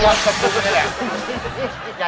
เอาวัดเฉาตุกนี้แหละ